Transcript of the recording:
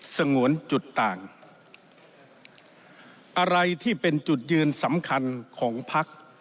สงวนจุดต่างอะไรที่เป็นจุดยืนสำคัญของพัก